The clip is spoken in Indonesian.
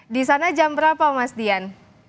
disana jam berapa mas dian